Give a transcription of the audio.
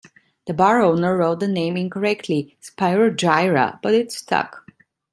The bar owner wrote the name incorrectly, "Spyro Gyra", but it stuck.